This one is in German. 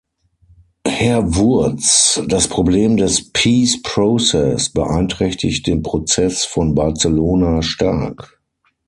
Herr Wurtz, das Problem des peace process beeinträchtigt den Prozess von Barcelona stark.